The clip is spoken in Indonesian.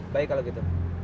baik kalau gitu